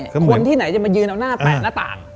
คนที่ไหนจะมายืนเอาหน้าแปะหน้าต่าง